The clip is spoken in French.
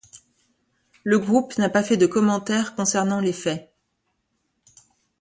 Le groupe n'a pas fait de commentaire concernant les faits.